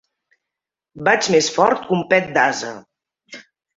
Vaig més fort que un pet d'ase!